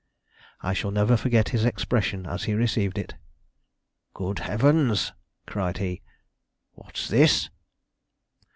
I shall never forget his expression as he received it; "Good heavens!" cried he, "what's this?"